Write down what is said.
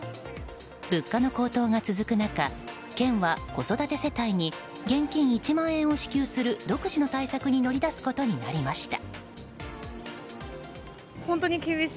物価の高騰が続く中県は、子育て世帯に現金１万円を支給する独自の対策に乗り出すことになりました。